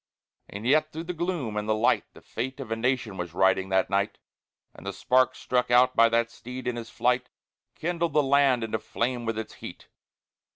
And yet, through the gloom and the light, The fate of a nation was riding that night; And the spark struck out by that steed, in his flight, Kindled the land into flame with its heat.